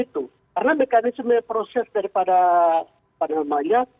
karena mekanisme proses daripada padangkabungan